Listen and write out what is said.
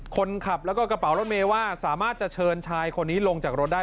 คนขับแล้วก็กระเป๋ารถเมย์ว่าสามารถจะเชิญชายคนนี้ลงจากรถได้